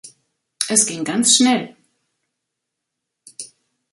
Es ging ganz schnell.